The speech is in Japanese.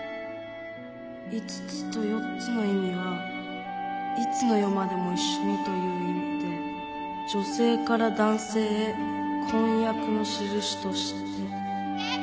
５つと４つの意味はいつの世までも一緒にという意味で女性から男性へ婚約のしるしとして。